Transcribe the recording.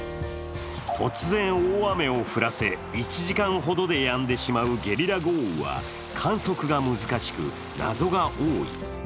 突然大雨を降らせ１時間ほどでやんでしまうゲリラ豪雨は、観測が難しく、謎が多い。